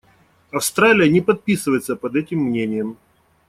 Австралия не подписывается под этим мнением.